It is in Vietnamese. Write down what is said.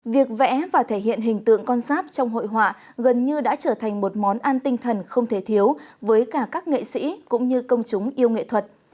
việc vẽ và thể hiện hình tượng con sáp trong hội họa gần như đã trở thành một món ăn tinh thần không thể thiếu với cả các nghệ sĩ cũng như công chúng yêu nghệ thuật